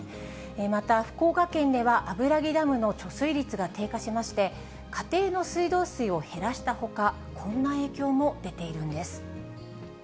また福岡県では、油木ダムの貯水率が低下しまして、家庭の水道水を減らしたほか、こんな影響も出ているんです。